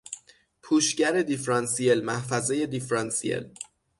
پوشگر دیفرانسیل، محفظهی دیفرانسیل